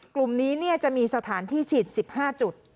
กลุ่มนี้จะมีสถานที่ฉีด๑๕จุด